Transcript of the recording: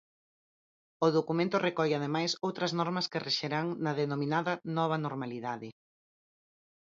O documento recolle ademais outras normas que rexerán na denominada nova normalidade.